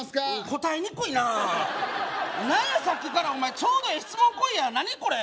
答えにくいなあ何やさっきからお前ちょうどええ質問来いや何これ？